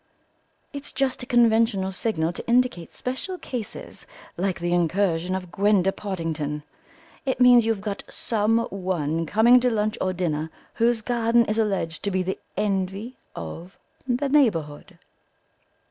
"It's just a conventional signal to indicate special cases like the incursion of Gwenda Pottingdon. It means you've got some one coming to lunch or dinner whose garden is alleged to be 'the envy of the neighbourhood.